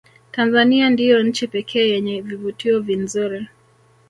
tanzania ndiyo nchi pekee yenye vivutio vinzuri